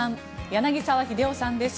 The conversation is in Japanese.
柳澤秀夫さんです。